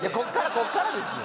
ここからですよ。